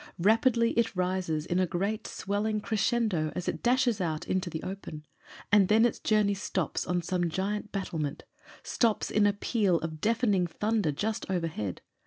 Rapidly it rises in a great swelling crescendo as it dashes into the open, and then its journey stops on some giant battlement — stops in a peal of deafen ing thunder just overhead.